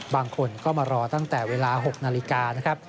บางคนก็มารอตั้งแต่เวลา๖นาฬิกานะครับ